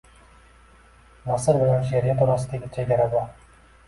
Nasr bilan she’riyat orasidagi chegara bor.